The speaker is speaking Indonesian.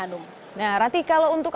nah rati kalau untuk